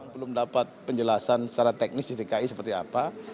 belum dapat penjelasan secara teknis di dki seperti apa